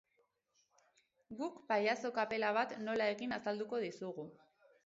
Guk pailazo kapela bat nola egin azalduko dizugu.